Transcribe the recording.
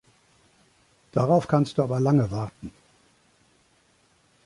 Darauf kannst du aber lange warten.